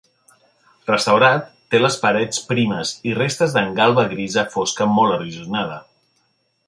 Restaurat, té les parets primes i restes d'engalba grisa fosca molt erosionada.